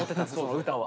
歌は。